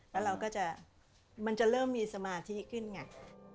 แล้วเราก็จะมันจะเริ่มมีสมาธิขึ้นไง